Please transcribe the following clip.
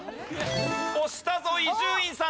押したぞ伊集院さん。